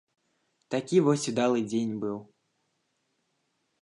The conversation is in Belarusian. Такі вось удалы дзень быў.